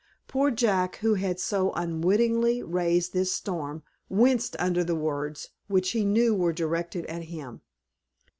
Poor Jack, who had so unwittingly raised this storm, winced under the words, which he knew were directed at him.